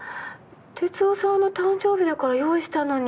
哲雄さんの誕生日だから用意したのに。